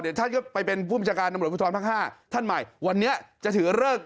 แต่ท่านก็ไปเป็นผู้บิจการตำรวจภูทธอนทาง๕ท่านหมายวันนี้จะถือเริก